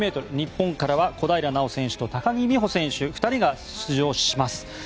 日本からは小平奈緒選手と高木美帆選手の２人が出場します。